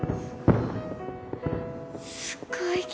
すごい。